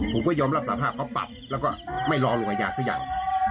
ผมก็ยอมรับสารภาพเขาปรับแล้วก็ไม่รอลงอาญาทุกอย่าง